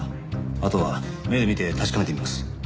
あとは目で見て確かめてみます。